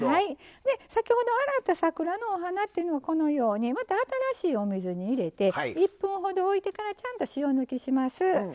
先ほど洗った桜のお花というのをこのようにまた新しいお水に入れて１分ほどおいてからちゃんと塩抜きします。